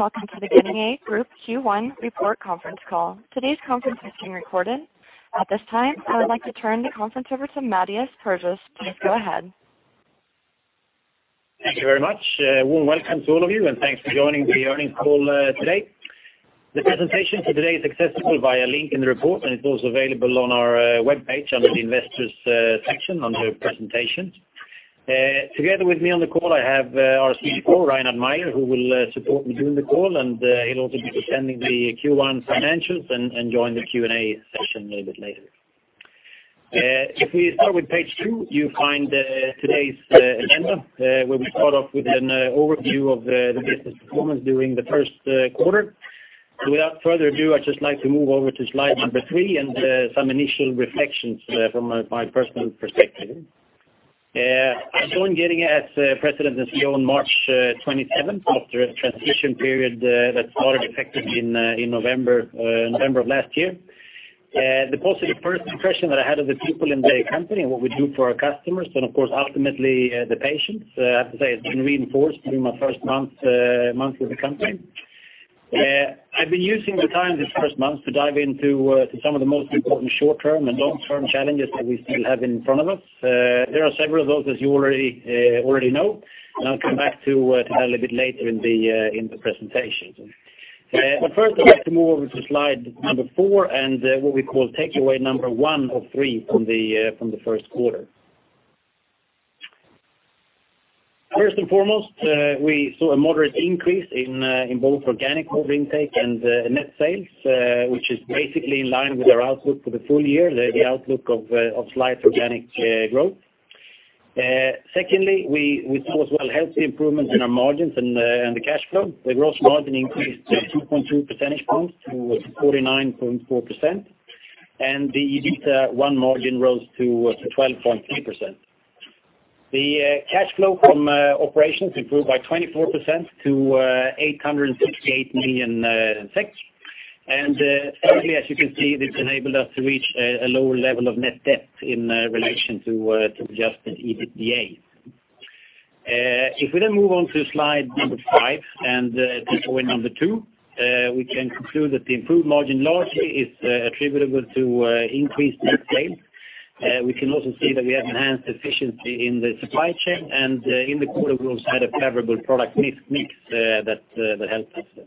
Good day, and welcome to the Getinge Group Q1 Report Conference Call. Today's conference is being recorded. At this time, I would like to turn the conference over to Mattias Perjos. Please go ahead. Thank you very much. Warm welcome to all of you, and thanks for joining the earnings call today. The presentation for today is accessible via a link in the report, and it's also available on our webpage under the investors section under presentations. Together with me on the call, I have our CFO, Reinhard Mayer, who will support me during the call, and he'll also be presenting the Q1 financials and join the Q&A session a little bit later. If we start with page 2, you find today's agenda, where we start off with an overview of the business performance during the Q1. Without further ado, I'd just like to move over to slide number 3 and some initial reflections from my personal perspective. I joined Getinge as President and CEO on March 27, after a transition period that started effective in November of last year. The positive first impression that I had of the people in the company and what we do for our customers, and of course, ultimately, the patients, I have to say it's been reinforced during my first month with the company. I've been using the time this first month to dive into some of the most important short-term and long-term challenges that we still have in front of us. There are several of those, as you already know, and I'll come back to that a little bit later in the presentation. But first I'd like to move over to slide number 4 and what we call takeaway number 1 of 3 from the Q1. First and foremost, we saw a moderate increase in both organic order intake and net sales, which is basically in line with our outlook for the full year, the outlook of slight organic growth. Secondly, we saw as well healthy improvements in our margins and the cash flow. The gross margin increased 2.2 percentage points to 49.4%, and the EBITA 1 margin rose to 12.3%. The cash flow from operations improved by 24% to 868 million. Thirdly, as you can see, this enabled us to reach a lower level of net debt in relation to adjusted EBITDA. If we then move on to slide number 5, and takeaway number 2, we can conclude that the improved margin largely is attributable to increased net sales. We can also see that we have enhanced efficiency in the supply chain, and, in the quarter, we also had a favorable product mix that helped us.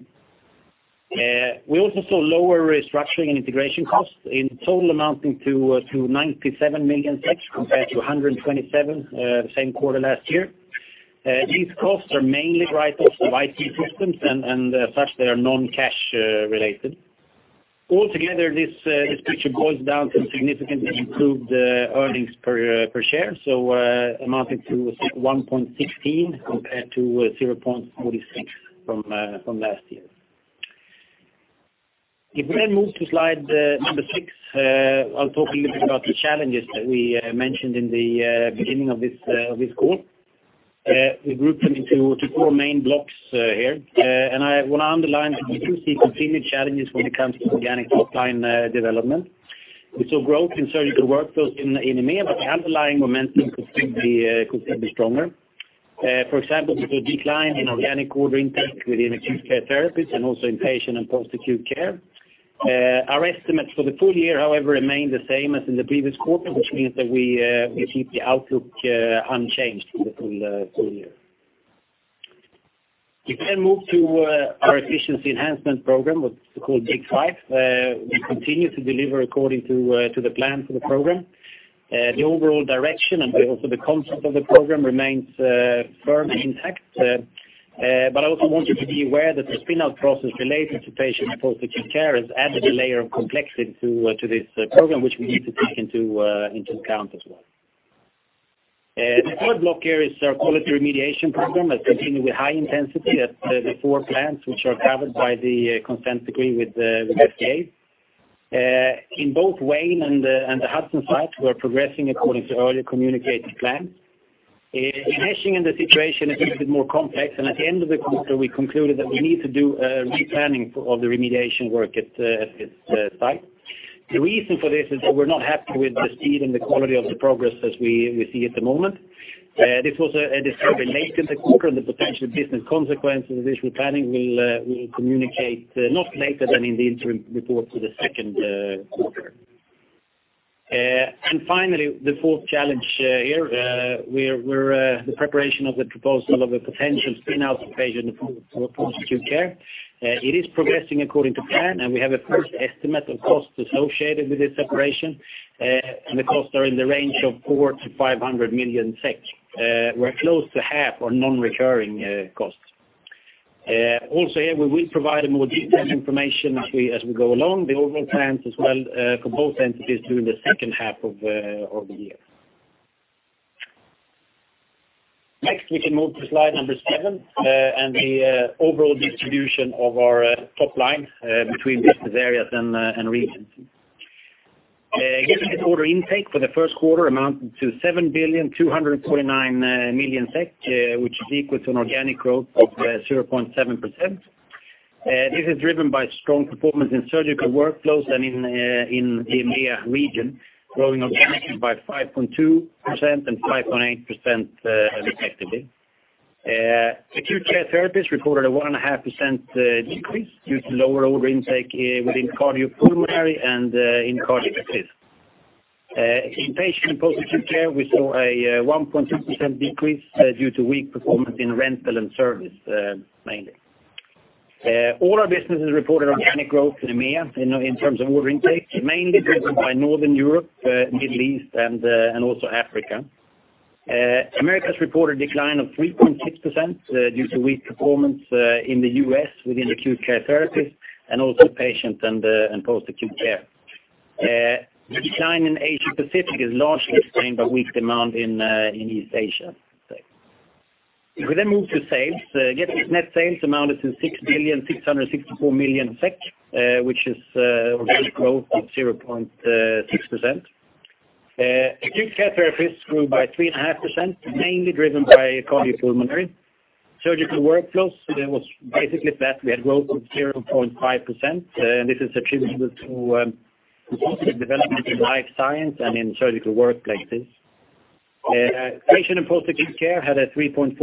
We also saw lower restructuring and integration costs in total amounting to 97 million, compared to 127 million the same quarter last year. These costs are mainly write-offs of IT systems, and as such, they are non-cash related. Altogether, this picture boils down to significantly improved earnings per share, so amounting to 1.16 compared to 0.46 from last year. If we then move to slide number 6, I'll talk a little bit about the challenges that we mentioned in the beginning of this call. We grouped them into four main blocks here. I want to underline that we do see continued challenges when it comes to organic top line development. We saw growth in Surgical Workflows in EMEA, but the underlying momentum could still be stronger. For example, there's a decline in organic order intake within Acute Care Therapies and also in Patient & Post-Acute Care. Our estimates for the full year, however, remain the same as in the previous quarter, which means that we keep the outlook unchanged for the full year. We then move to our efficiency enhancement program, what's called Big Five. We continue to deliver according to the plan for the program. The overall direction and also the concept of the program remains firm and intact. But I also want you to be aware that the spin-out process related to Patient and Post-Acute Care has added a layer of complexity to this program, which we need to take into account as well. The third block here is our quality remediation program that continues with high intensity at the four plants, which are covered by the Consent Decree with the FDA. In both Wayne and the Hudson site, we're progressing according to earlier communicated plan. In Hechingen, the situation is a little bit more complex, and at the end of the quarter, we concluded that we need to do re-planning for all the remediation work at the site. The reason for this is that we're not happy with the speed and the quality of the progress as we see at the moment. This was a discovery late in the quarter, and the potential business consequences of this re-planning will, we will communicate not later than in the interim report for the Q2. And finally, the fourth challenge here, the preparation of the proposal of a potential spin-out of Patient and Post-Acute Care. It is progressing according to plan, and we have a first estimate of costs associated with this separation, and the costs are in the range of 400 million-500 million SEK, where close to half are non-recurring costs. Also here, we will provide a more detailed information as we go along, the overall plans as well, for both entities during the H2 of the year. Next, we can move to slide number 7, and the overall distribution of our top line between business areas and regions. Getinge order intake for the Q1 amounted to 7,229 million SEK, which is equal to an organic growth of 0.7%. This is driven by strong performance in surgical workflows and in the EMEA region, growing organically by 5.2% and 5.8%, respectively. Acute care therapies reported a 1.5% decrease due to lower order intake within cardiopulmonary and in cardiac arrest. In patient and post-acute care, we saw a 1.2% decrease due to weak performance in rental and service, mainly. All our businesses reported organic growth in EMEA in terms of order intake, mainly driven by Northern Europe, Middle East, and also Africa. Americas reported decline of 3.6%, due to weak performance in the U.S. within Acute Care Therapies and also Patient and Post-Acute Care. The decline in Asia Pacific is largely explained by weak demand in East Asia. If we then move to sales, net sales amounted to 6,664 million SEK, which is organic growth of 0.6%. Acute Care Therapies grew by 3.5%, mainly driven by cardiopulmonary. Surgical Workflows, it was basically flat. We had growth of 0.5%, and this is attributable to positive development in life science and in surgical workflows. Patient and Post-Acute Care had a 3.4%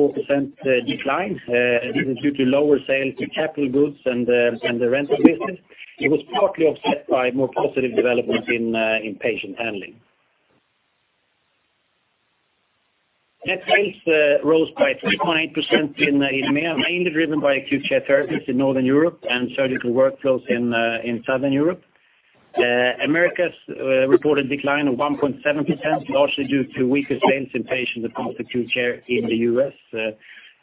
decline. This is due to lower sales in capital goods and the rental business. It was partly offset by more positive development in patient handling. Net sales rose by 3.8% in EMEA, mainly driven by Acute Care Therapies in Northern Europe and Surgical Workflows in Southern Europe. Americas reported decline of 1.7%, largely due to weaker sales in patient and post-acute care in the U.S.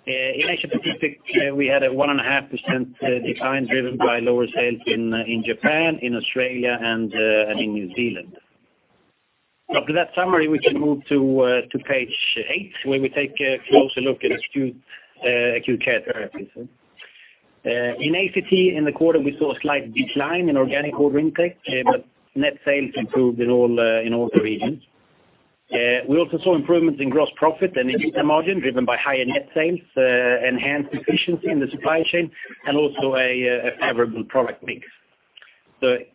In Asia Pacific, we had a 1.5% decline driven by lower sales in Japan, in Australia, and in New Zealand. After that summary, we can move to page 8, where we take a closer look at Acute Care Therapies. In ACT, in the quarter, we saw a slight decline in organic order intake, but net sales improved in all the regions. We also saw improvements in gross profit and EBITDA margin, driven by higher net sales, enhanced efficiency in the supply chain, and also a favorable product mix. So this,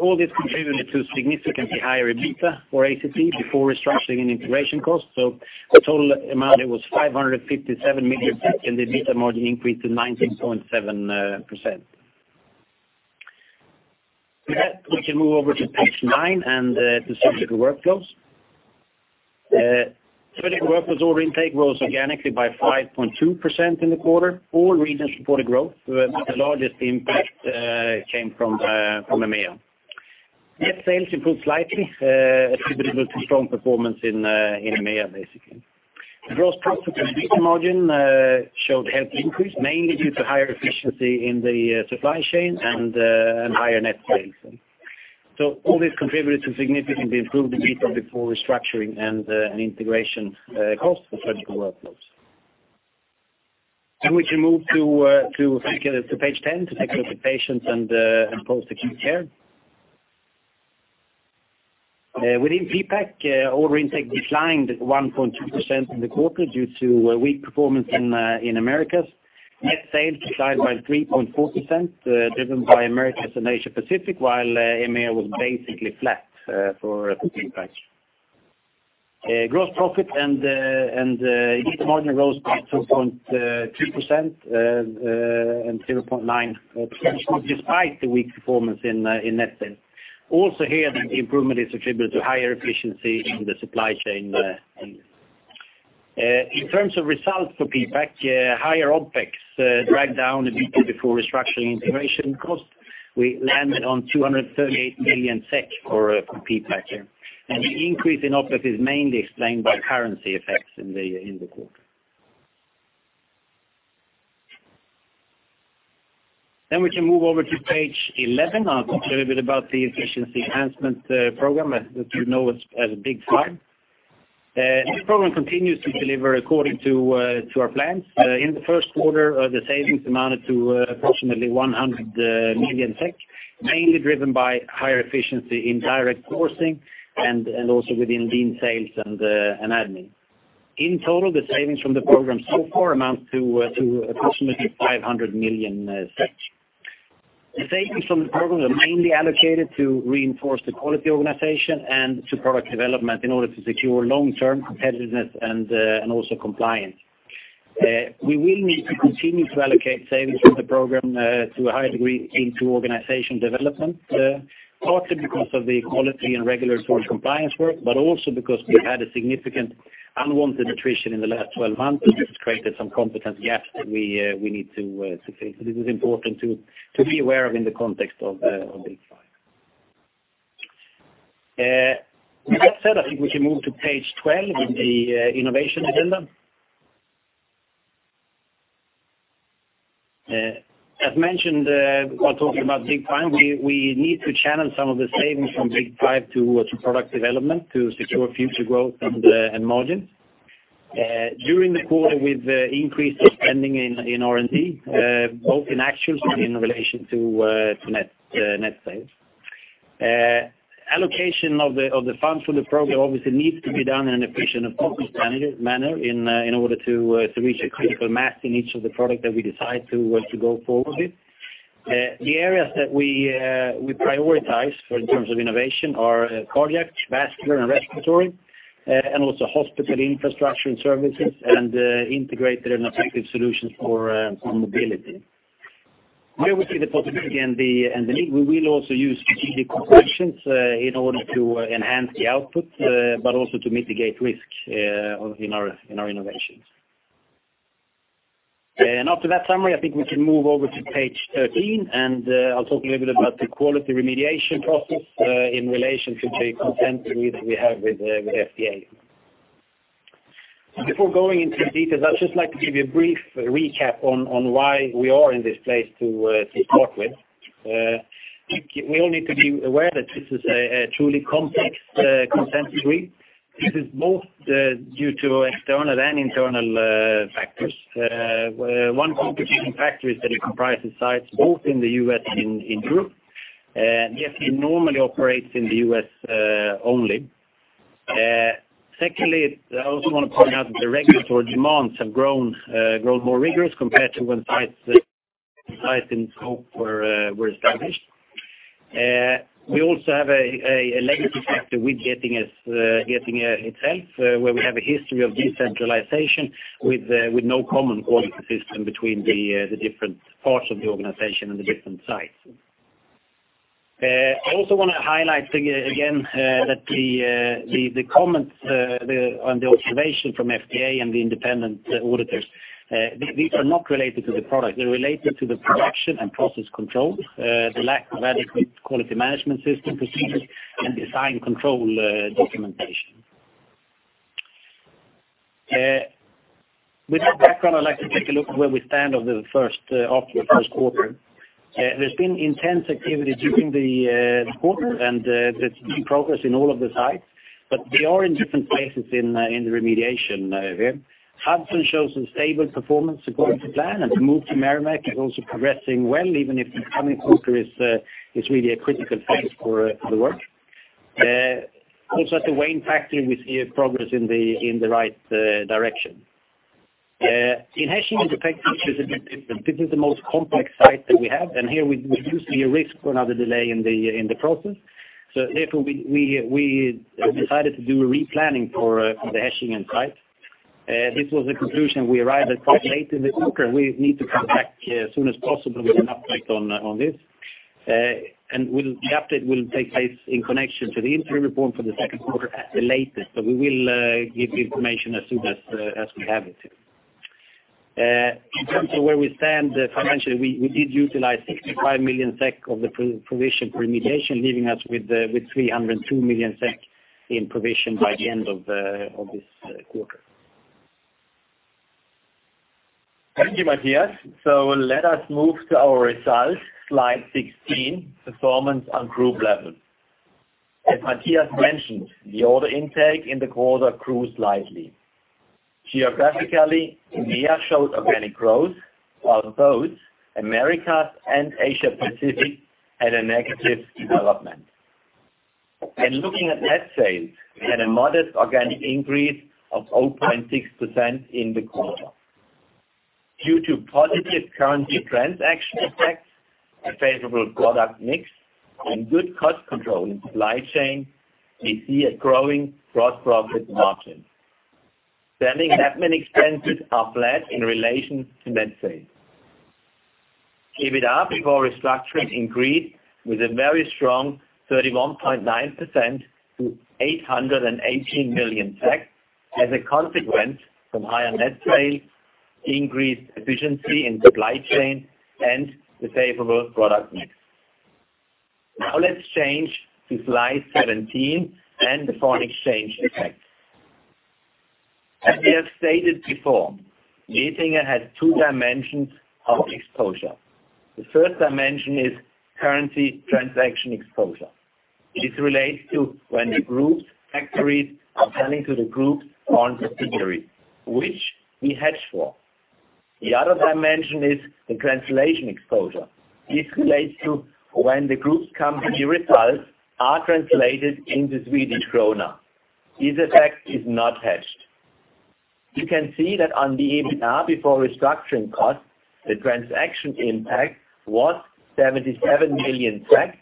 all this contributed to significantly higher EBITDA for ACT before restructuring and integration costs. So the total amount, it was 557 million, and the EBITDA margin increased to 19.7%. With that, we can move over to page nine and to Surgical Workflows. Surgical Workflows order intake rose organically by 5.2% in the quarter. All regions reported growth, but the largest impact came from EMEA. Net sales improved slightly, attributable to strong performance in EMEA, basically. The gross profit and EBITDA margin showed healthy increase, mainly due to higher efficiency in the supply chain and higher net sales. So all this contributed to significantly improved EBITDA before restructuring and integration costs for Surgical Workflows. Then we can move to page 10, to look at the patients and post-acute care. Within PPAC, order intake declined 1.2% in the quarter due to a weak performance in Americas. Net sales declined by 3.4%, driven by Americas and Asia Pacific, while EMEA was basically flat for PPAC. Gross profit and EBITDA margin rose by 2.2% and 0.9%, despite the weak performance in net sales. Also here, the improvement is attributable to higher efficiency in the supply chain. In terms of results for PPAC, higher OpEx dragged down EBITDA before restructuring integration costs. We landed on 238 million SEK for PPAC. And the increase in OpEx is mainly explained by currency effects in the quarter. Then we can move over to page 11. I'll talk a little bit about the efficiency enhancement program, as you know, as Big Five. This program continues to deliver according to our plans. In the Q1, the savings amounted to approximately 100 million SEK, mainly driven by higher efficiency in direct sourcing and also within lean sales and admin. In total, the savings from the program so far amounts to approximately 500 million SEK. The savings from the program are mainly allocated to reinforce the quality organization and to product development in order to secure long-term competitiveness and also compliance. We will need to continue to allocate savings from the program to a higher degree into organization development, partly because of the quality and regulatory compliance work, but also because we had a significant unwanted attrition in the last 12 months, which has created some competency gaps that we need to succeed. So this is important to be aware of in the context of Big Five. With that said, I think we can move to page 12 in the innovation agenda. As mentioned, while talking about Big Five, we need to channel some of the savings from Big Five to product development to secure future growth and margin. During the quarter, we've increased the spending in R&D both in actual and in relation to net sales. Allocation of the funds for the program obviously needs to be done in an efficient and focused manner in order to reach a critical mass in each of the products that we decide to go forward with. The areas that we prioritize for in terms of innovation are cardiac, vascular, and respiratory, and also hospital infrastructure and services, and integrated and effective solutions for mobility. We obviously the possibility and the need. We will also use strategic collaborations in order to enhance the output, but also to mitigate risk in our innovations. After that summary, I think we can move over to page 13, and I'll talk a little bit about the quality remediation process in relation to the Consent Decree that we have with FDA. Before going into the details, I'd just like to give you a brief recap on why we are in this place to start with. We all need to be aware that this is a truly complex consent decree. This is both due to external and internal factors. One complicating factor is that it comprises sites both in the U.S. and in Europe, and yet it normally operates in the U.S. only. Secondly, I also want to point out that the regulatory demands have grown more rigorous compared to when sites and scope were established. We also have a legacy factor with Getinge itself, where we have a history of decentralization with no common quality system between the different parts of the organization and the different sites. I also want to highlight again, that the comments on the observations from FDA and the independent auditors, these are not related to the product. They're related to the production and process control, the lack of adequate quality management system procedures and design control, documentation. With that background, I'd like to take a look where we stand after the Q1. There's been intense activity during the quarter, and, there's been progress in all of the sites, but they are in different places in the remediation, here. Hudson shows a stable performance according to plan, and the move to Merrimack is also progressing well, even if the coming quarter is really a critical focus for the work. Also at the Wayne factory, we see a progress in the right direction. In Hechingen, the picture is a bit different. This is the most complex site that we have, and here we do see a risk for another delay in the process. So therefore, we decided to do a replanning for the Hechingen site. This was a conclusion we arrived at quite late in the quarter. We need to come back as soon as possible with an update on this. And the update will take place in connection to the interim report for the Q2 at the latest, but we will give information as soon as we have it. In terms of where we stand, financially, we did utilize 65 million SEK of the provision for remediation, leaving us with three hundred and two million SEK in provision by the end of this quarter. Thank you, Mattias. So let us move to our results, slide 16, performance on group level. As Mattias mentioned, the order intake in the quarter grew slightly. Geographically, EMEA showed organic growth, while both Americas and Asia Pacific had a negative development. Looking at net sales, we had a modest organic increase of 0.6% in the quarter. Due to positive currency transaction effects, a favorable product mix, and good cost control in supply chain, we see a growing gross profit margin. Selling admin expenses are flat in relation to net sales. EBITA before restructuring increased with a very strong 31.9% to 818 million, as a consequence from higher net sales, increased efficiency in supply chain, and the favorable product mix. Now, let's change to slide 17 and foreign exchange effects. As we have stated before, Getinge has 2 dimensions of exposure. The first dimension is currency transaction exposure. This relates to when the group's factories are selling to the group's subsidiary, which we hedge for. The other dimension is the translation exposure. This relates to when the group's company results are translated into Swedish krona. This effect is not hedged. You can see that on the EBITA before restructuring costs, the transaction impact was 77 million SEK,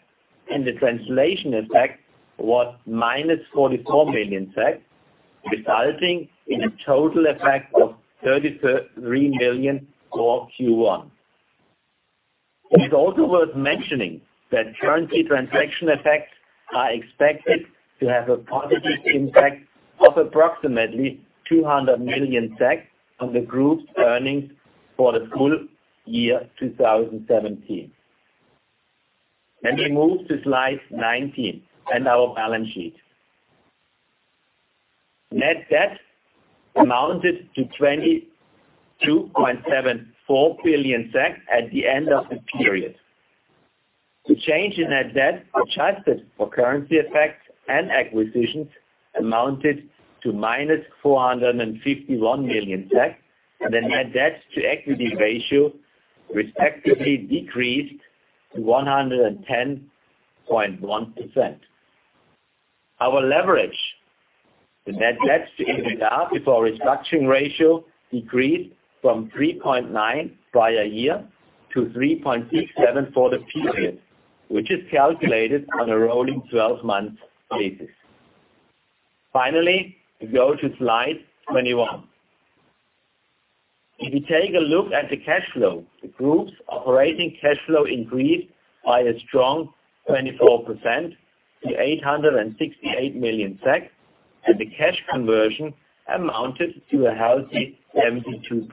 and the translation impact was -44 million SEK, resulting in a total effect of 33 million SEK for Q1. It is also worth mentioning that currency transaction effects are expected to have a positive impact of approximately 200 million SEK on the group's earnings for the full year 2017. Let me move to slide 19 and our balance sheet. Net debt amounted to 22.74 billion SEK at the end of the period. The change in net debt, adjusted for currency effects and acquisitions, amounted to -451 million, and the net debt to equity ratio respectively decreased to 110.1%. Our leverage, the net debt to EBITDA before restructuring ratio decreased from 3.9 prior year to 3.67 for the period, which is calculated on a rolling twelve-month basis. Finally, we go to slide 21. If you take a look at the cash flow, the group's operating cash flow increased by a strong 24% to 868 million, and the cash conversion amounted to a healthy 72%.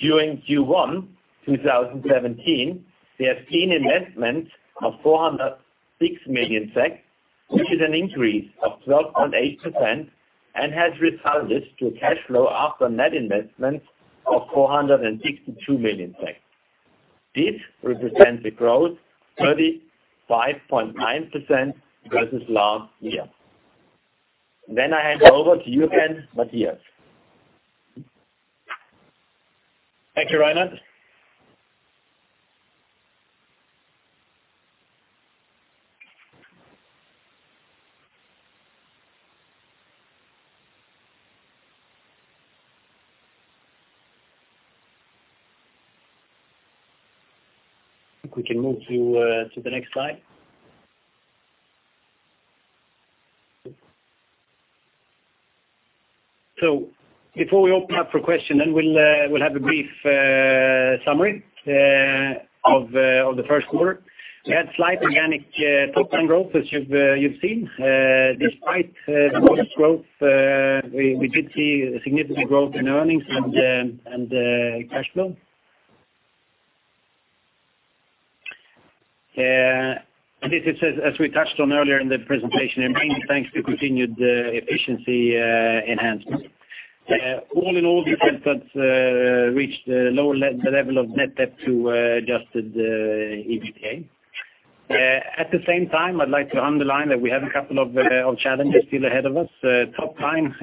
During Q1 2017, we have seen investments of 406 million SEK, which is an increase of 12.8% and has resulted to a cash flow after net investments of 462 million. This represents a growth of 35.9% versus last year. Then I hand over to you again, Mattias. Thank you, Reinhard. I think we can move to the next slide. So before we open up for questions, then we'll have a brief summary of the Q1. We had slight organic top-line growth, as you've seen. Despite the growth, we did see significant growth in earnings and cash flow. And this is as we touched on earlier in the presentation, and mainly thanks to continued efficiency enhancements. All in all, the efforts reached a lower level of net debt to adjusted EBITDA. At the same time, I'd like to underline that we have a couple of challenges still ahead of us. Top-line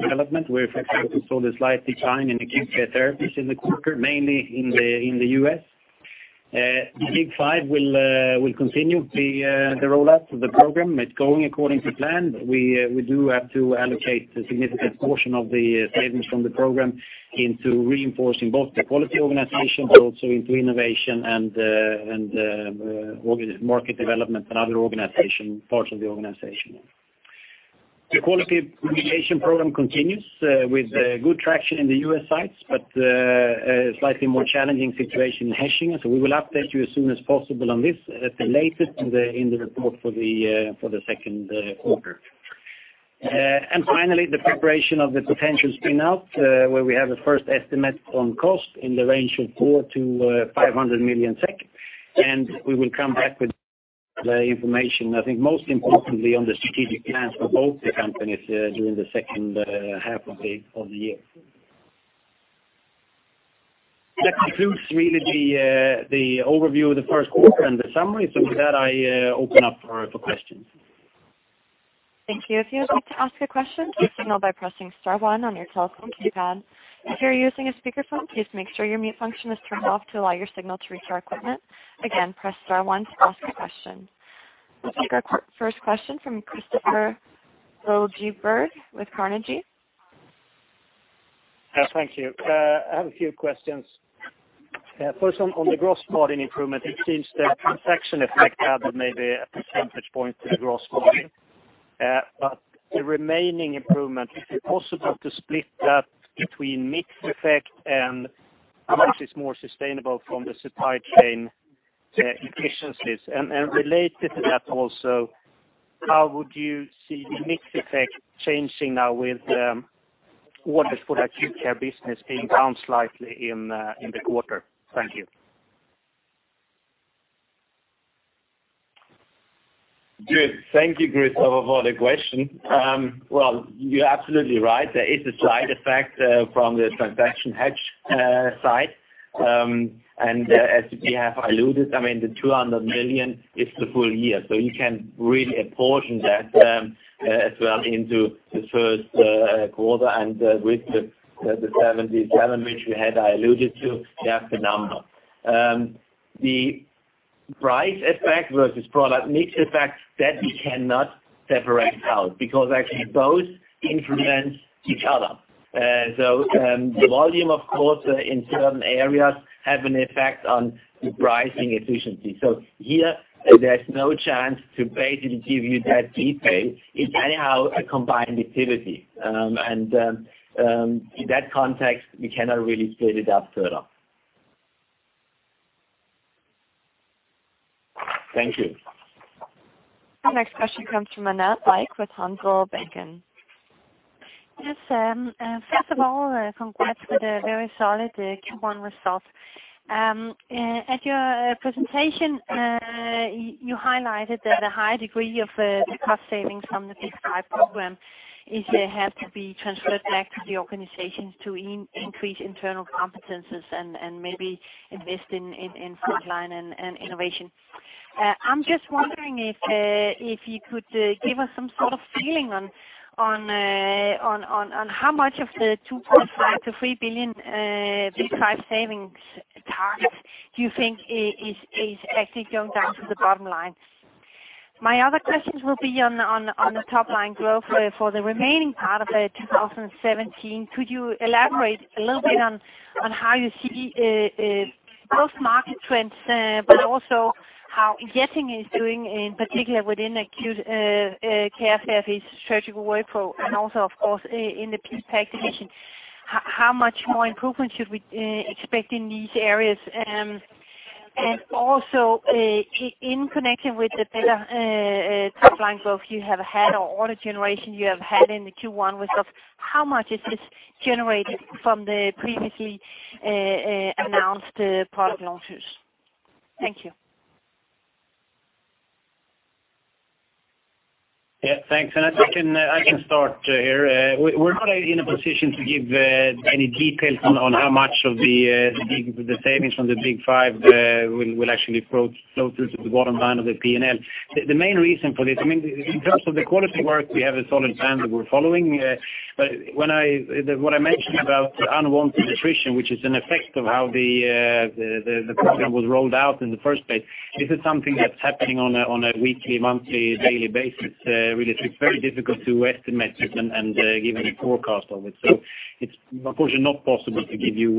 development, where, for example, we saw the slight decline in acute care therapies in the quarter, mainly in the U.S.. The Big Five will continue the rollout of the program. It's going according to plan, but we do have to allocate a significant portion of the savings from the program into reinforcing both the quality organization, but also into innovation and market development and other parts of the organization. The quality communication program continues with good traction in the U.S. sites, but a slightly more challenging situation in Hechingen. So we will update you as soon as possible on this, at the latest in the report for the Q2. And finally, the preparation of the potential spin-out, where we have a first estimate on cost in the range of 400 million-500 million SEK, and we will come back with the information, I think, most importantly, on the strategic plans for both the companies, during the H2 of the year. That concludes really the overview of the Q1 and the summary. So with that, I open up for questions. Thank you. If you would like to ask a question, please signal by pressing star one on your telephone keypad. If you're using a speakerphone, please make sure your mute function is turned off to allow your signal to reach our equipment. Again, press star one to ask a question. We'll take our first question from Kristofer Liljeberg with Carnegie. Thank you. I have a few questions. First, on the gross margin improvement, it seems the transaction effect added maybe a percentage point to the gross margin. But the remaining improvement, is it possible to split that between mix effect and how much is more sustainable from the supply chain efficiencies? And related to that also, how would you see the mix effect changing now with orders for the acute care business being down slightly in the quarter? Thank you. Good. Thank you, Christopher, for the question. Well, you're absolutely right. There is a slight effect from the transaction hedge side. And as we have alluded, I mean, the 200 million is the full year, so you can really apportion that as well into the Q1 and with the 77 million, which we had, I alluded to, they are phenomenal. The price effect versus product mix effect, that we cannot separate out, because actually both influence each other. So the volume, of course, in certain areas have an effect on the pricing efficiency. So here, there's no chance to basically give you that detail. It's anyhow a combined activity. And in that context, we cannot really split it up further. Thank you. Our next question comes from Annette Lykke with Handelsbanken. Yes, first of all, congrats with a very solid Q1 result. At your presentation, you highlighted that the high degree of the cost savings from the Big Five program is have to be transferred back to the organizations to increase internal competences and maybe invest in frontline and innovation. I'm just wondering if you could give us some sort of feeling on how much of the 2.5 billion-3 billion Big Five savings target do you think is actually going down to the bottom line? My other questions will be on the top line growth for the remaining part of 2017. Could you elaborate a little bit on how you see both market trends, but also how Getinge is doing, in particular within acute care services, surgical workflow, and also, of course, in the PPAC division. How much more improvement should we expect in these areas? And also, in connection with the better top line growth you have had or order generation you have had in the Q1 with of, how much is this generated from the previously announced product launches? Thank you. Yeah, thanks. I think I can start here. We're not in a position to give any details on how much of the savings from the Big Five will actually approach closer to the bottom line of the P&L. The main reason for this, I mean, in terms of the quality work, we have a solid plan that we're following. But what I mentioned about unwanted attrition, which is an effect of how the program was rolled out in the first place, this is something that's happening on a weekly, monthly, daily basis. Really, it's very difficult to estimate it and give a forecast of it. So it's, of course, not possible to give you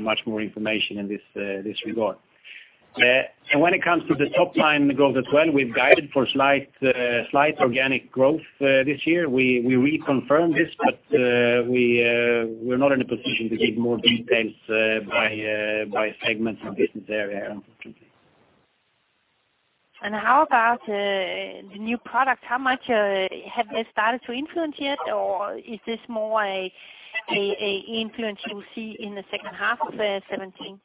much more information in this regard. When it comes to the top line growth as well, we've guided for slight organic growth this year. We reconfirm this, but we're not in a position to give more details by segment and business area, unfortunately. How about the new product? How much have they started to influence yet, or is this more a influence you will see in the H2 of 2017?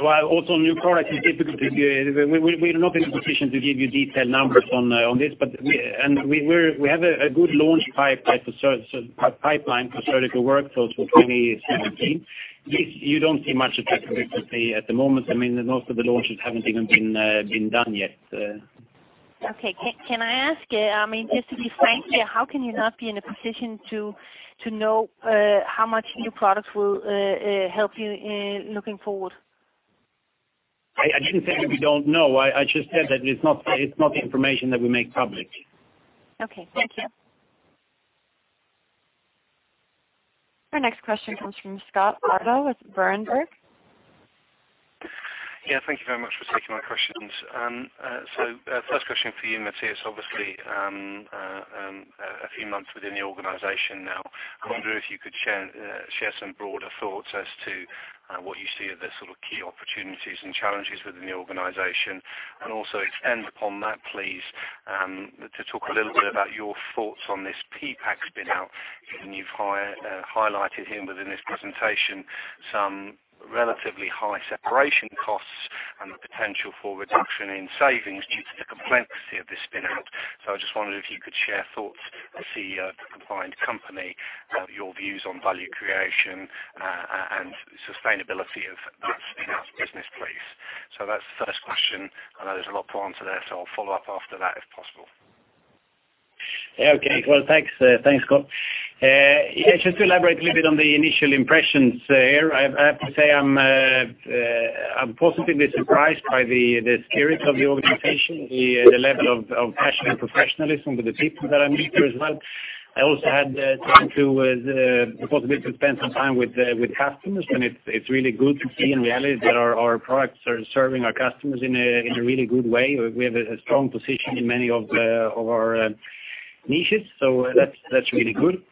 Well, also new product, it's difficult to give. We're not in a position to give you detailed numbers on this, but we have a good launch pipeline for Surgical Workflows for 2017. You don't see much effect of it at the moment. I mean, most of the launches haven't even been done yet. Okay. Can I ask, I mean, just to be frank here, how can you not be in a position to know how much new products will help you looking forward? I didn't say that we don't know. I just said that it's not information that we make public. Okay. Thank you. Our next question comes from Scott Bardo with Berenberg. Yeah, thank you very much for taking my questions. So, first question for you, Mattias. Obviously, a few months within the organization now, I wonder if you could share some broader thoughts as to what you see are the sort of key opportunities and challenges within the organization, and also expand upon that, please, to talk a little bit about your thoughts on this PPAC spin-out. Given you've highlighted here within this presentation some relatively high separation costs and the potential for reduction in savings due to the complexity of this spin-out. So I just wondered if you could share thoughts as the combined company, your views on value creation and sustainability of that spin-out business, please. So that's the first question. I know there's a lot to answer there, so I'll follow up after that, if possible. Yeah, okay. Well, thanks, Scott. Yeah, just to elaborate a little bit on the initial impressions, here, I have to say, I'm positively surprised by the spirit of the organization, the level of passion and professionalism with the people that I meet here as well. I also had time to the possibility to spend some time with customers, and it's really good to see in reality that our products are serving our customers in a really good way. We have a strong position in many of our niches, so that's really good.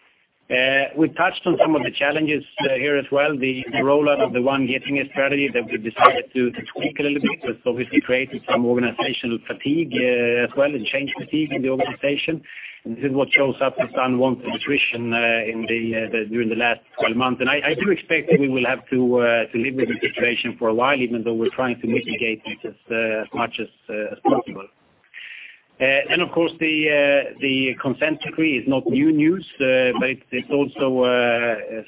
We touched on some of the challenges, here as well, the rollout of the One Getinge strategy that we decided to, to tweak a little bit, because obviously created some organizational fatigue, as well, and change fatigue in the organization. This is what shows up as unwanted attrition, in the, during the last 12 months. I, I do expect that we will have to, to live with the situation for a while, even though we're trying to mitigate this as, as much as, as possible. Of course, the, the Consent Decree is not new news, but it's, it's also,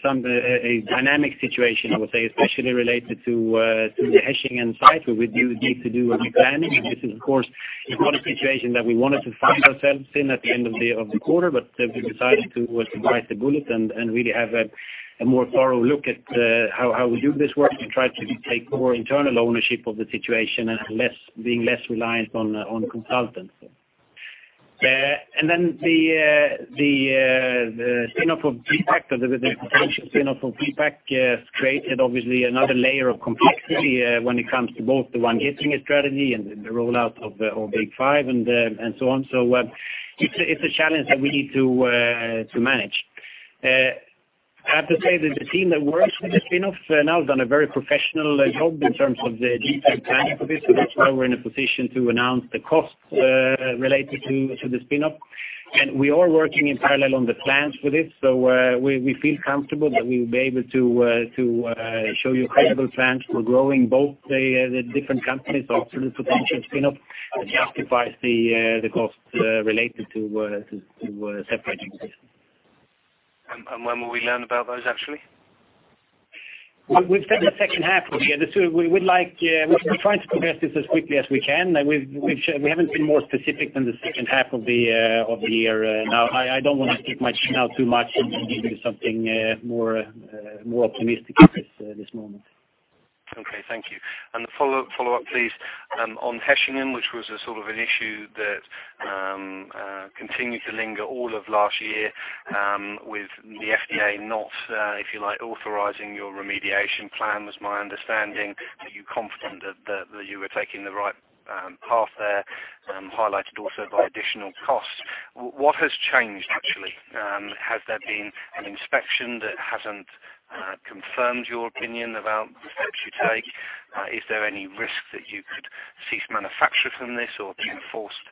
some, a, a dynamic situation, I would say, especially related to, to the Hechingen site where we need to do a replanning. This is, of course, not a situation that we wanted to find ourselves in at the end of the quarter, but we decided to bite the bullet and really have a more thorough look at how we do this work to try to take more internal ownership of the situation and less, being less reliant on consultants. And then the spin-off of PPAC, the potential spin-off of PPAC, has created obviously another layer of complexity when it comes to both the One Getinge strategy and the rollout of Big Five and so on. So, it's a challenge that we need to manage. I have to say that the team that works with the spin-off now has done a very professional job in terms of the detailed planning for this, so that's why we're in a position to announce the costs related to the spin-off. We are working in parallel on the plans for this, so we feel comfortable that we will be able to show you credible plans for growing both the different companies after the potential spin-off, which justifies the cost related to separating this. ... when will we learn about those, actually? We've said the H2 of the year. We would like, we are trying to progress this as quickly as we can. We've shown we haven't been more specific than the H2 of the year. Now, I don't want to speak much now and give you something more optimistic at this moment. Okay, thank you. And a follow-up, please, on Hechingen, which was a sort of an issue that continued to linger all of last year, with the FDA not, if you like, authorizing your remediation plan, was my understanding. Are you confident that you were taking the right path there, highlighted also by additional costs? What has changed, actually? Has there been an inspection that hasn't confirmed your opinion about the steps you take? Is there any risk that you could cease manufacture from this or be enforced,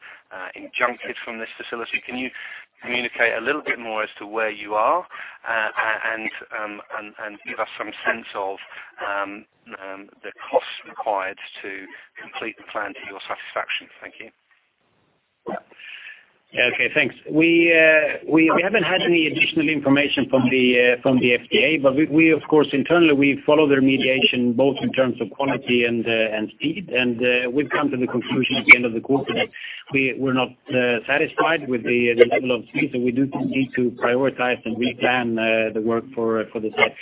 enjoined from this facility? Can you communicate a little bit more as to where you are, and give us some sense of the costs required to complete the plan to your satisfaction? Thank you. Yeah, okay, thanks. We haven't had any additional information from the FDA, but we, of course, internally, we follow their remediation, both in terms of quality and speed. And we've come to the conclusion at the end of the quarter that we're not satisfied with the level of speed, so we do need to prioritize and replan the work for the site.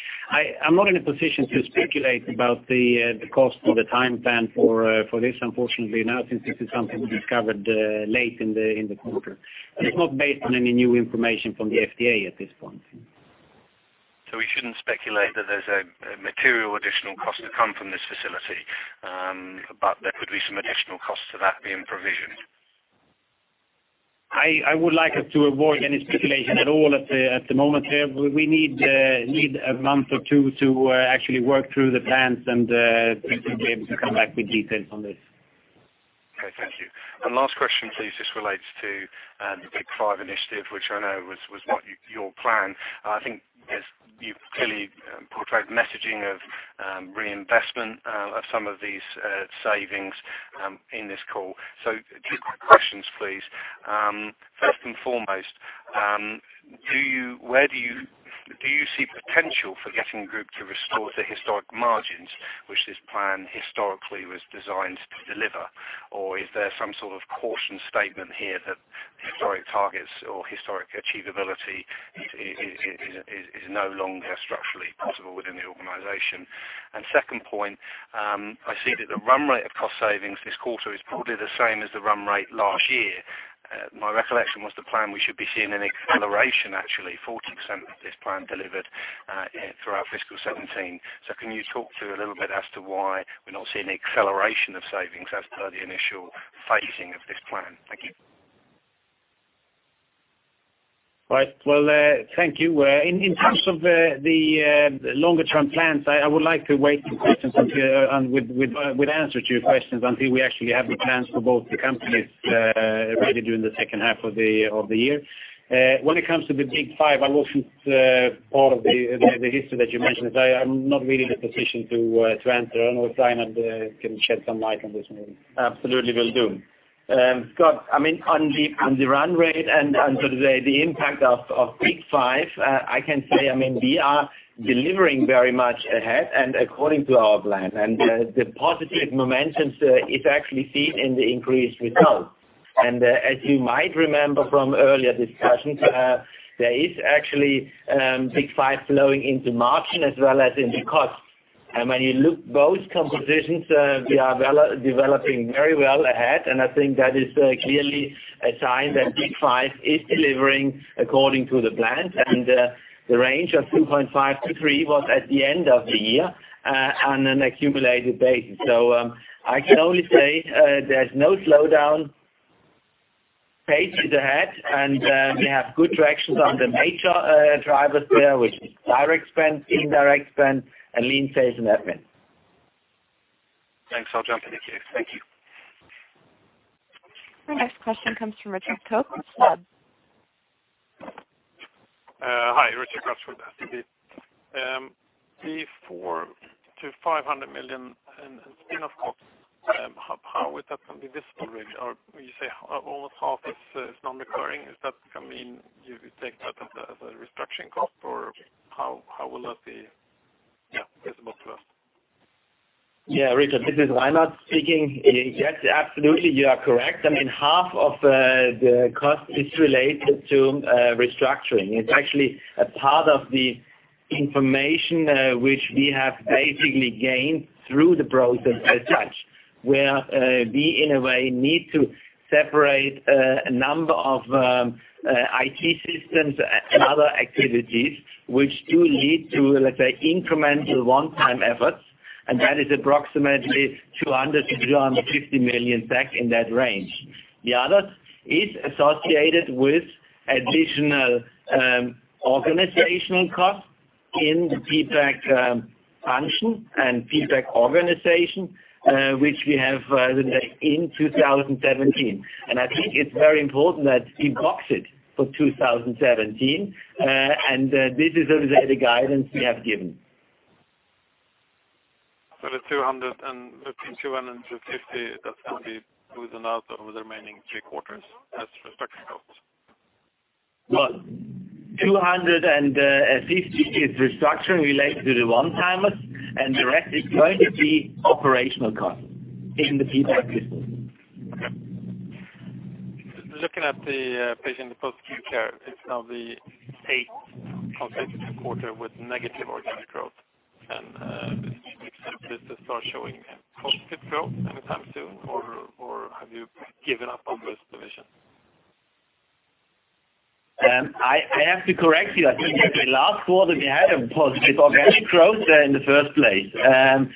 I'm not in a position to speculate about the cost or the time plan for this, unfortunately, now, since this is something we discovered late in the quarter. And it's not based on any new information from the FDA at this point. So we shouldn't speculate that there's a material additional cost to come from this facility, but there could be some additional costs to that being provisioned? I would like us to avoid any speculation at all at the moment here. We need a month or two to actually work through the plans and think we'll be able to come back with details on this. Okay, thank you. Last question, please. This relates to the Big Five initiative, which I know was your plan. I think as you've clearly portrayed the messaging of reinvestment of some of these savings in this call. So two quick questions, please. First and foremost, do you see potential for getting the group to restore the historic margins, which this plan historically was designed to deliver? Or is there some sort of caution statement here that historic targets or historic achievability is no longer structurally possible within the organization? And second point, I see that the run rate of cost savings this quarter is probably the same as the run rate last year. My recollection was the plan, we should be seeing an acceleration, actually, 40% of this plan delivered throughout fiscal 2017. So can you talk through a little bit as to why we're not seeing an acceleration of savings as per the initial phasing of this plan? Thank you. Right. Well, thank you. In terms of the longer term plans, I would like to wait for questions until and with answer to your questions until we actually have the plans for both the companies, maybe during the H2 of the year. When it comes to the Big Five, I wasn't part of the history that you mentioned. I'm not really in a position to answer. I know Reinhard can shed some light on this maybe. Absolutely, will do. Scott, I mean, on the run rate and the impact of Big Five, I can say, I mean, we are delivering very much ahead and according to our plan. The positive momentum is actually seen in the increased results. As you might remember from earlier discussions, there is actually Big Five flowing into margin as well as in the costs. When you look both compositions, we are well, developing very well ahead, and I think that is clearly a sign that Big Five is delivering according to the plan. The range of 2.5-3 was at the end of the year, on an accumulated basis. I can only say, there's no slowdown. Pace is ahead, and we have good directions on the major drivers there, which is direct spend, indirect spend, and lean sales and admin. Thanks. I'll jump in the queue. Thank you. Our next question comes from Richard Koch with SEB. Hi, Richard Koch with SEB. The 400-500 million in spin-off costs, how is that gonna be visible, really? Or you say, almost half is non-recurring. Is that gonna mean you take that as a restructuring cost, or how will that be, yeah, visible to us? Yeah, Richard, this is Reinhard speaking. Yes, absolutely, you are correct. I mean, half of the cost is related to restructuring. It's actually a part of the information, which we have basically gained through the process as such, where we, in a way, need to separate a number of IT systems and other activities, which do lead to, let's say, incremental one-time efforts, and that is approximately 200 million-250 million, back in that range. The other is associated with additional organizational costs in the feedback function and PPAC organization, which we have, let's say in 2017. I think it's very important that we box it for 2017, and this is really the guidance we have given.... SEK 200 and between 200 and 250, that's going to be good enough over the remaining three quarters as restructuring costs? Well, 250 is restructuring related to the one-timers, and the rest is going to be operational costs in the future business. Okay. Looking at the Patient Post-Acute Care, it's now the eighth consecutive quarter with negative organic growth. Do you expect this to start showing a positive growth anytime soon, or, or have you given up on this division? I have to correct you. I think that the last quarter, we had a positive organic growth in the first place. And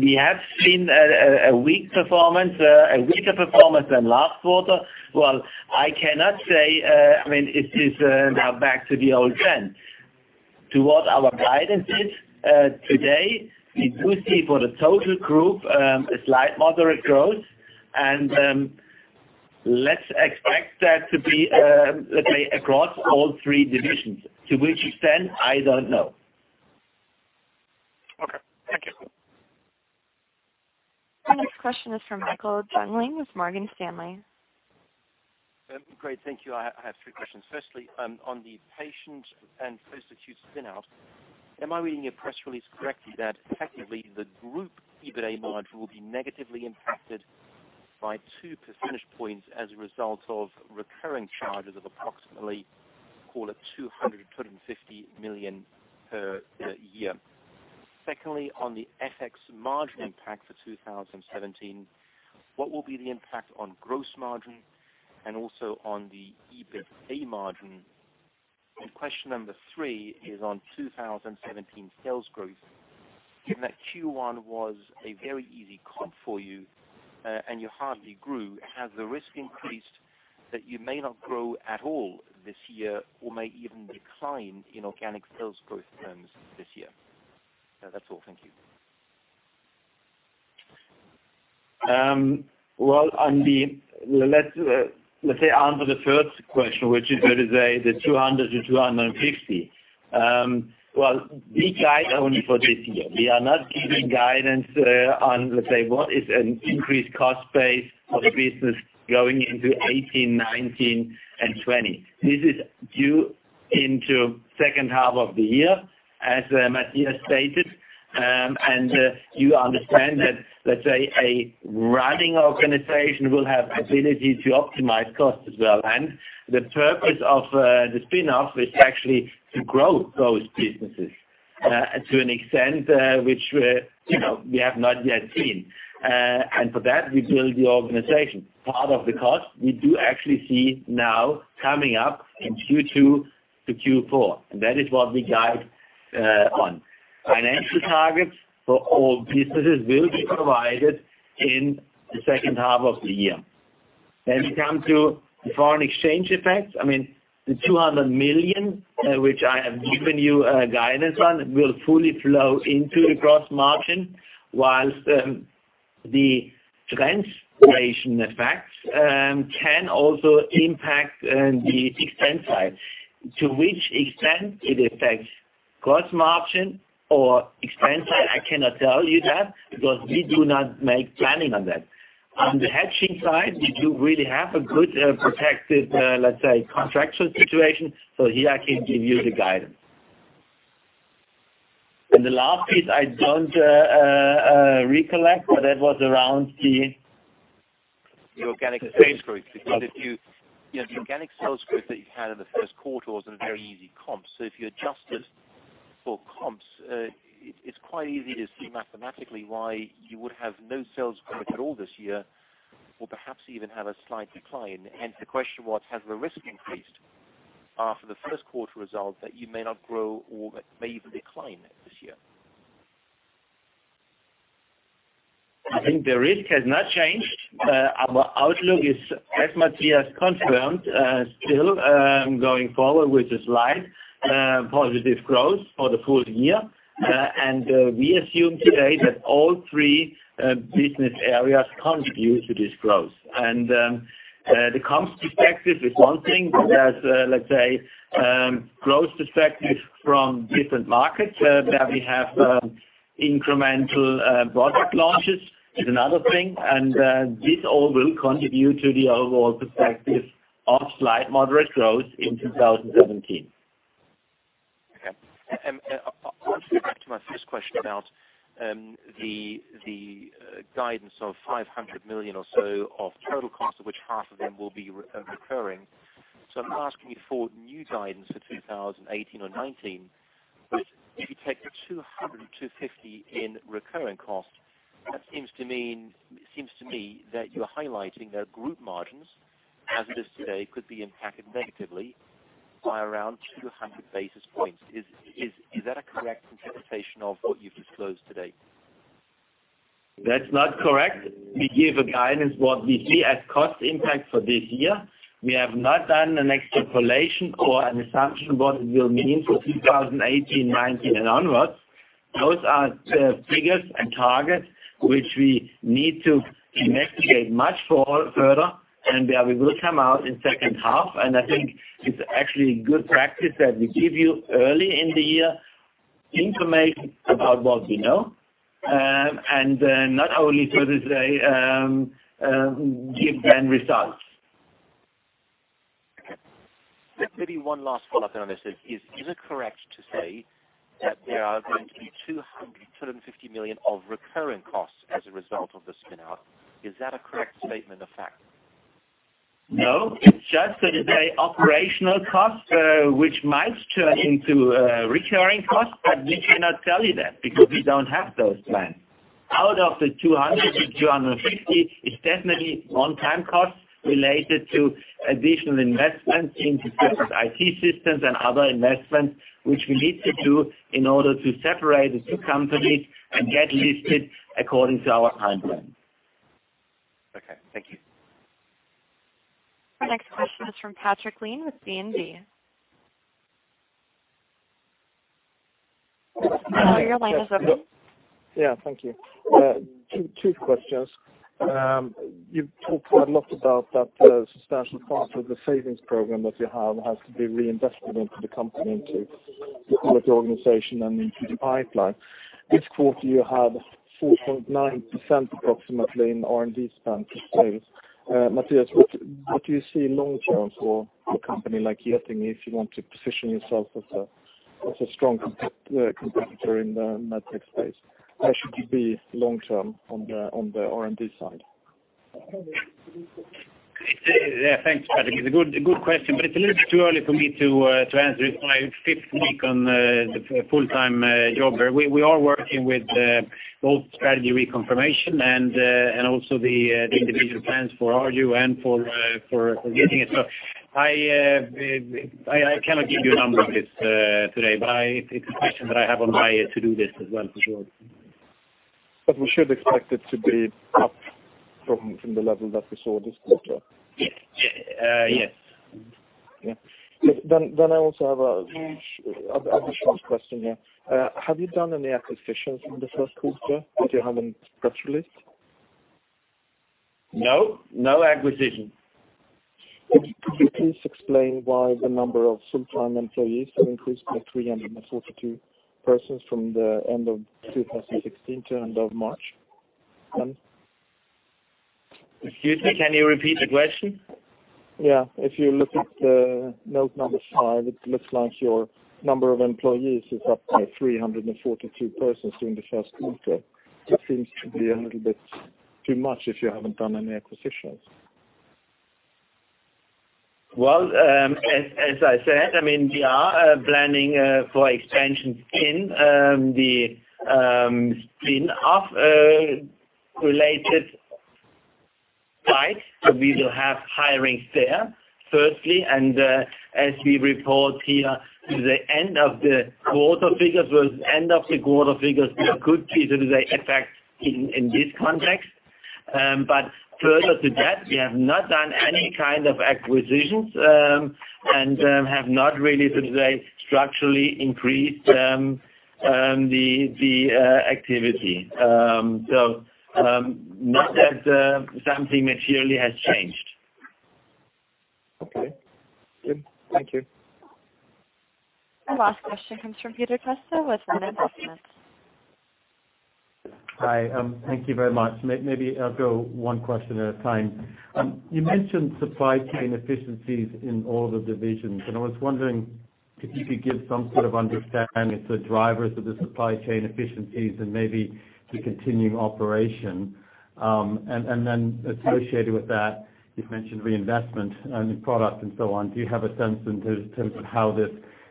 we have seen a weak performance, a weaker performance than last quarter. Well, I cannot say, I mean, it is now back to the old trend. To what our guidance is, today, we do see for the total group, a slight moderate growth. And let's expect that to be, let's say, across all three divisions. To which extent, I don't know. Okay, thank you. Our next question is from Michael Jüngling with Morgan Stanley. Great. Thank you. I, I have three questions. Firstly, on the patient and post-acute spin out, am I reading your press release correctly, that effectively the group EBITA margin will be negatively impacted by 2 percentage points as a result of recurring charges of approximately, call it 200 million-250 million per year? Secondly, on the FX margin impact for 2017, what will be the impact on gross margin and also on the EBITA margin? And question number three is on 2017 sales growth. Given that Q1 was a very easy comp for you, and you hardly grew, has the risk increased that you may not grow at all this year or may even decline in organic sales growth terms this year? That's all. Thank you. Well, on the—let's say, answer the first question, which is, let us say, the 200-250. Well, we guide only for this year. We are not giving guidance on, let's say, what is an increased cost base of the business going into 2018, 2019, and 2020. This is due into H2 of the year, as Mattias stated. You understand that, let's say, a running organization will have ability to optimize costs as well. The purpose of the spin-off is actually to grow those businesses, to an extent, which, you know, we have not yet seen. For that, we build the organization. Part of the cost, we do actually see now coming up in Q2 to Q4, and that is what we guide on. Financial targets for all businesses will be provided in the H2 of the year. When we come to the foreign exchange effects, I mean, the 200 million, which I have given you a guidance on, will fully flow into the gross margin, while the translation effects can also impact the expense side. To which extent it affects gross margin or expense side, I cannot tell you that, because we do not make planning on that. On the hedging side, we do really have a good protected, let's say, contractual situation, so here I can give you the guidance. And the last piece I don't recollect, but that was around the- The organic sales growth. Yes. Because if you... Yeah, the organic sales growth that you had in the Q1 was a very easy comps. So if you adjust it for comps, it's quite easy to see mathematically why you would have no sales growth at all this year or perhaps even have a slight decline. Hence, the question was, has the risk increased after the Q1 result that you may not grow or may even decline this year? I think the risk has not changed. Our outlook is, as Mattias confirmed, still going forward with a slight positive growth for the full year. We assume today that all three business areas contribute to this growth. The comps perspective is one thing, but there's, let's say, growth perspective from different markets where we have incremental product launches is another thing. This all will contribute to the overall perspective of slight moderate growth in 2017. Okay. And back to my first question about the guidance of 500 million or so of total costs, of which half of them will be recurring. So I'm not asking you for new guidance for 2018 or 2019, but if you take the 200-250 in recurring costs, that seems to mean—seems to me that you're highlighting that group margins, as it is today, could be impacted negatively by around 200 basis points. Is that a correct interpretation of what you've disclosed today? That's not correct. We gave a guidance what we see as cost impact for this years. We have not done an extrapolation or an assumption what it will mean for 2018, 2019, and onwards. Those are figures and targets which we need to investigate much far, further, and where we will come out in H2. And I think it's actually good practice that we give you early in the year-... inform them about what we know, and then not only so to say, give them results. Okay. Just maybe one last follow-up on this. Is it correct to say that there are going to be 200 million-250 million of recurring costs as a result of the spin out? Is that a correct statement of fact? No, it's just that they operational costs, which might turn into, recurring costs, but we cannot tell you that because we don't have those plans. Out of the 200-250, it's definitely one-time costs related to additional investments into different IT systems and other investments, which we need to do in order to separate the two companies and get listed according to our timeline. Okay, thank you. Our next question is from Patrik Ling with DNB. Hello, your line is open. Yeah, thank you. Two questions. You've talked a lot about that substantial part of the savings program that you have has to be reinvested into the company, into the organization and into the pipeline. This quarter, you had 4.9%, approximately, in R&D spend to sales. Mattias, what do you see long term for a company like Getinge if you want to position yourself as a strong competitor in the med tech space? Where should you be long term on the R&D side? Thanks, Patrick. It's a good, a good question, but it's a little bit too early for me to answer it. It's my fifth week on the full-time job. We are working with both strategy reconfirmation and also the individual plans for Arjo and for Getinge. So I cannot give you a number on this today, but it's a question that I have on my to-do list as well, for sure. But we should expect it to be up from the level that we saw this quarter? Yes. Yes. Yeah. Then I also have a additional question here. Have you done any acquisitions in the Q1 that you haven't disclosed? No, no acquisitions. Could you please explain why the number of full-time employees have increased by 342 persons from the end of 2016 to end of March? Excuse me, can you repeat the question? Yeah. If you look at the Note 5, it looks like your number of employees is up by 342 persons during the Q1. It seems to be a little bit too much if you haven't done any acquisitions. Well, as I said, I mean, we are planning for expansion in the spin-off related sites. So we will have hirings there, firstly, and as we report here, the end of the quarter figures was—the end of the quarter figures were a good piece of the effect in this context. But further to that, we have not done any kind of acquisitions, and have not really, structurally increased the activity. So not that something materially has changed. Okay. Good. Thank you. The last question comes from Peter Costa with Investec. Hi, thank you very much. Maybe I'll go one question at a time. You mentioned supply chain efficiencies in all the divisions, and I was wondering if you could give some sort of understanding the drivers of the supply chain efficiencies and maybe the continuing operation. And then associated with that, you've mentioned reinvestment and product and so on. Do you have a sense in terms, in terms of how this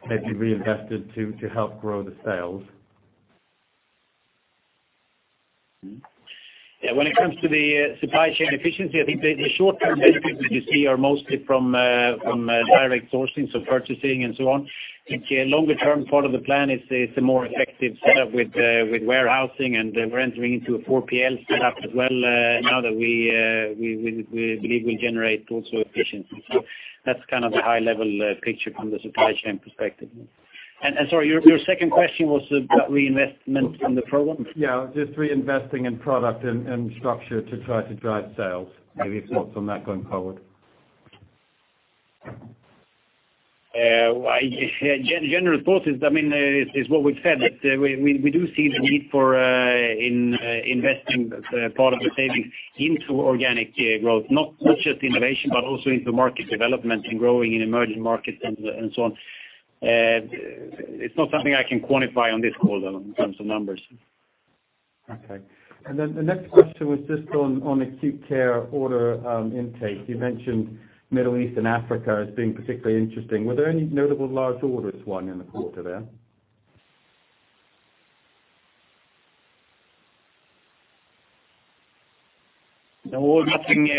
may be reinvested to, to help grow the sales? Yeah, when it comes to the supply chain efficiency, I think the short-term benefits that you see are mostly from direct sourcing, so purchasing and so on. The longer term part of the plan is a more effective setup with warehousing, and we're entering into a 4PL setup as well, now that we believe we generate also efficiency. So that's kind of the high level picture from the supply chain perspective. And sorry, your second question was about reinvestment in the program? Yeah, just reinvesting in product and structure to try to drive sales. Any thoughts on that going forward? General thought is, I mean, what we've said, that we do see the need for investing part of the savings into organic growth, not just innovation, but also into market development and growing in emerging markets and so on. It's not something I can quantify on this call, though, in terms of numbers. Okay. And then the next question was just on, on acute care order, intake. You mentioned Middle East and Africa as being particularly interesting. Were there any notable large orders won in the quarter there? No, nothing...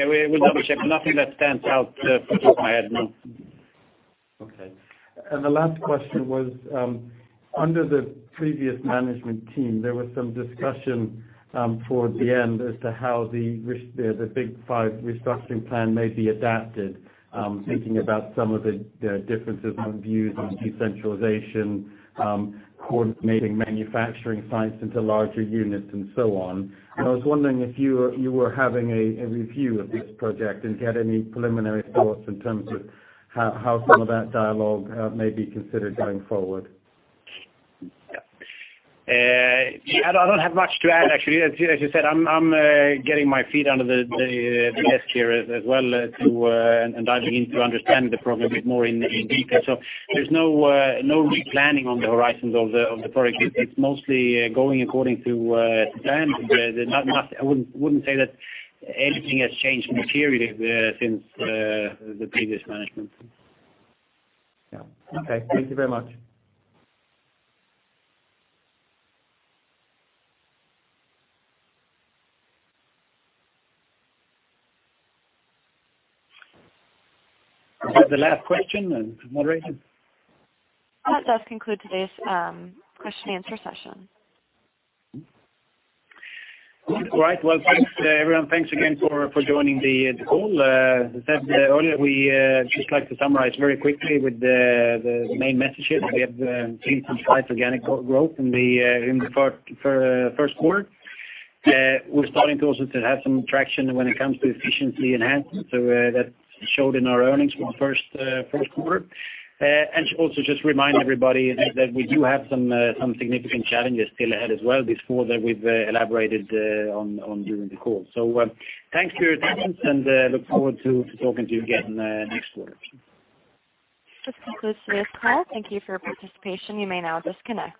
Nothing that stands out from the top of my head, no. Okay. The last question was, under the previous management team, there was some discussion toward the end as to how the Big Five restructuring plan may be adapted, thinking about some of the differences in views on decentralization, coordinating manufacturing sites into larger units, and so on. I was wondering if you were having a review of this project and had any preliminary thoughts in terms of how some of that dialogue may be considered going forward. I don't have much to add, actually. As you said, I'm getting my feet under the desk here as well, and diving into understanding the problem a bit more in detail. So there's no replanning on the horizon of the project. It's mostly going according to plan. There's not... I wouldn't say that anything has changed materially since the previous management. Yeah. Okay. Thank you very much. Is that the last question, moderator? That does conclude today's question and answer session. Good. All right. Well, thanks, everyone. Thanks again for joining the call. As I said earlier, we just like to summarize very quickly with the main messages. We have seen some high organic growth in the Q1. We're starting to also to have some traction when it comes to efficiency enhancements, so that showed in our earnings for the Q1. And also just remind everybody that we do have some significant challenges still ahead as well. This quarter, we've elaborated on during the call. So, thanks for your attendance, and look forward to talking to you again next quarter. This concludes this call. Thank you for your participation. You may now disconnect.